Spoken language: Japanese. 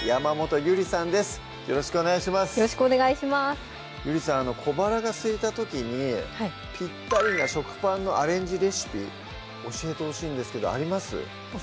ゆりさん小腹が空いた時にピッタリな食パンのアレンジレシピ教えてほしいんですけどあります？